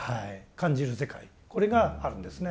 感じる世界これがあるんですね。